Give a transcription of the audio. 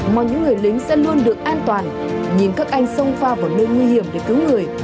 mà những người lính sẽ luôn được an toàn nhìn các anh xông pha vào nơi nguy hiểm để cứu người